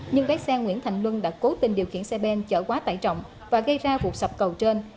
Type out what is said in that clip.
nhưng vé xe nguyễn thành luân đã cố tình điều khiển xe ben chở quá tải trọng và gây ra vụ sập cầu trên